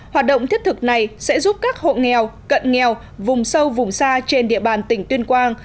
hoạt động thiết thực này sẽ giúp các hộ nghèo cận nghèo vùng sâu vùng xa trên địa bàn tỉnh tuyên quang